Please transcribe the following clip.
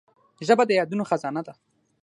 ژبه د یادونو خزانه ده